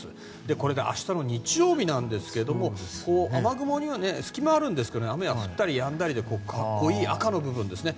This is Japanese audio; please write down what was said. これが明日の日曜日なんですけれども雨雲には隙間があるんですが雨が降ったりやんだりで濃い赤の部分ですね